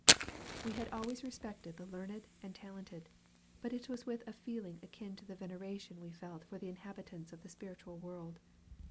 We had always respected the learned and talented, but it was with a feeling akin to the veneration we felt for the inhabitants of the spiritual world.